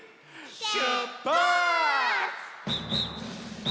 しゅっぱつ！